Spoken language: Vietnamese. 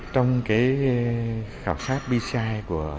trong khảo sát bci